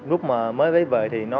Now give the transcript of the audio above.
lúc mà mới về thì nó